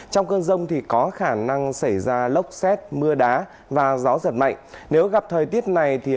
trong cơn rông có khả năng xảy ra lốc xét mưa đá và gió giật mạnh nếu gặp thời tiết này